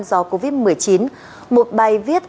do covid một mươi chín một bài viết